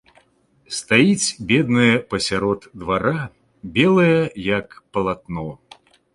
Стаіць, бедная, пасярод двара белая як палатно.